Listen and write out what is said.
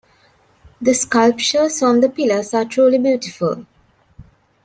The sculptures on the pillars are truly beautiful.